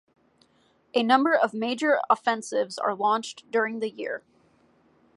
A number of major offensives are launched during the year.